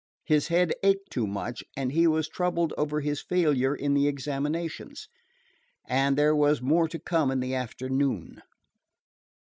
His head ached too much, and he was troubled over his failure in the examinations; and there were more to come in the afternoon.